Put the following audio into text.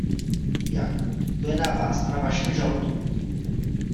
Jak? – to je na Vás a na Vašem žaludku.